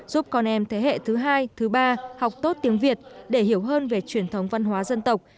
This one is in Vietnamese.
giúp con em thế hệ thứ hai thứ ba học tốt tiếng việt để hiểu hơn về truyền thống văn hóa dân tộc